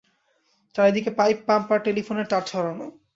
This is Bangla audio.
চারদিকে পাইপ, পাম্প আর টেলিফোনের তার ছড়ানো।